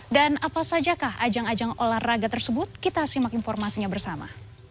dan apa saja kah ajang ajang olahraga tersebut kita simak informasinya bersama